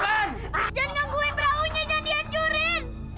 jangan mengganggu braunya yang dia curin